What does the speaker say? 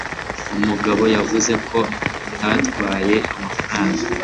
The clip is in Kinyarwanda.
umugabo yavuze ko atatwaye amafaranga